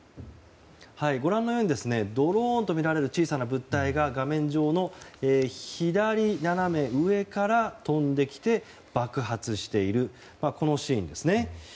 ご覧のように、ドローンとみられる小さな物体が画面上の左斜め上から飛んできて爆発しているこのシーンですね。